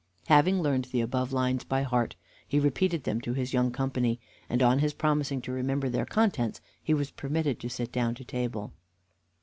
Having learned the above lines by heart, he repeated them to his young company, and, on his promising to remember their contents, he was permitted to sit down to table.